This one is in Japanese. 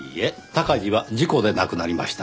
鷹児は事故で亡くなりました。